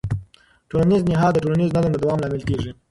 ټولنیز نهاد د ټولنیز نظم د دوام لامل کېږي.